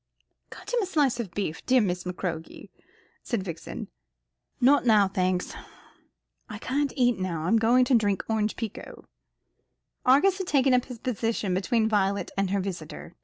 "Cut him a slice of beef, dear Miss McCroke," said Vixen. "Not now, thanks; I can't eat now. I'm going to drink orange pekoe." Argus had taken up his position between Violet and her visitor.